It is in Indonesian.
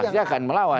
masih akan melawan